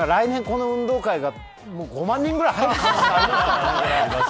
来年、この運動会が５万人ぐらい入る可能性がある。